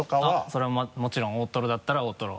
それはもちろん大トロだったら大トロ。